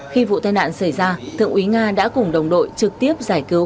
khi vụ tai nạn xảy ra thượng úy nga đã cùng đồng đội trực tiếp giải cứu